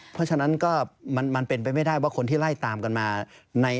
เพราะฉะนั้นก็มันเป็นไปไม่ได้ว่าคนที่ไล่ตามกันมา